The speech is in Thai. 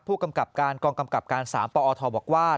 ผู้กำกับการกองกำกับการ๓ปอทบอกว่า